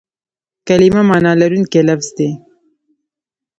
کلیمه مانا لرونکی لفظ دئ.